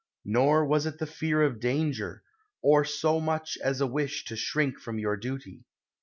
Nor was it the fear of danger, or so much as a wish to shrink from your duty.